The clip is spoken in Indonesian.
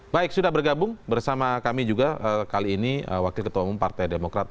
baik sudah bergabung bersama kami juga kali ini wakil ketua umum partai demokrat